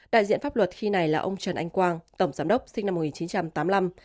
đại diện pháp luật khi này là ông trần anh quang tổng giám đốc sinh năm một nghìn chín trăm tám mươi năm